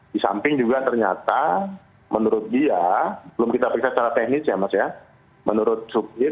di samping juga ternyata menurut dia belum kita periksa secara teknis ya mas ya menurut subjek